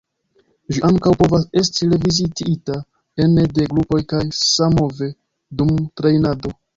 Ĝi ankaŭ povas esti reviziita ene de grupoj kaj sammove dum trejnado.